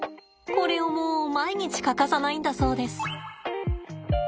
これをもう毎日欠かさないんだそうです。